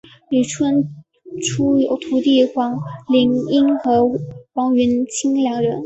李春初有徒弟黄麒英和王云清两人。